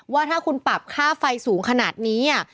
ว่าถ้าคุณปรับค่าไฟสูงขนาดนี้